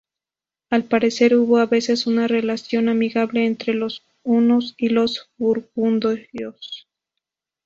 Al parecer hubo a veces una relación amigable entre los hunos y los burgundios.